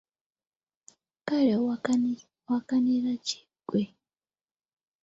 Kale owakanira ki ggwe!